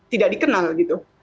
tidak dikenal gitu